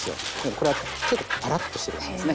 これは結構パラッとしてる感じですね。